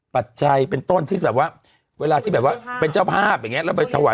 ปัจจัยเป็นต้นที่แบบว่าเวลาที่แบบว่าเป็นเจ้าภาพอย่างนี้แล้วไปถวาย